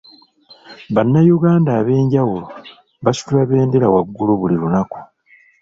Bannayuganda ab'enjawulo basitula bendera waggulu buli lunaku.